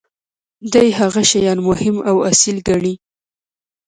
دي هغه شیان مهم او اصیل ګڼي.